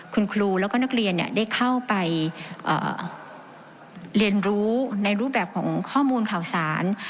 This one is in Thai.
คุณครูแล้วก็นักเรียนได้เข้าไปเรียนรู้ในรูปแบบของข้อมูลข่าวสาร